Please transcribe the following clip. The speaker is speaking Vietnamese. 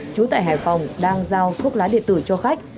trú tại hải phòng đang giao thuốc lá điện tử cho khách